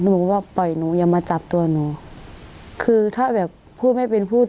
บอกว่าปล่อยหนูอย่ามาจับตัวหนูคือถ้าแบบพูดไม่เป็นพูด